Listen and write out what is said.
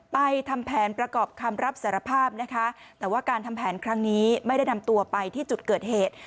ทำแผนประกอบคำรับสารภาพนะคะแต่ว่าการทำแผนครั้งนี้ไม่ได้นำตัวไปที่จุดเกิดเหตุ